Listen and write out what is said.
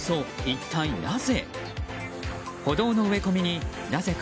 一体なぜ？